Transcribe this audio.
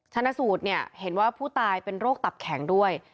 ชนะสูตรเนี่ยเห็นว่าผู้ตายเป็นโรคตับแข็งด้วย